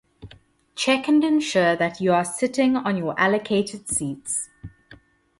“Check and ensure that you are sitting on your allotted seats;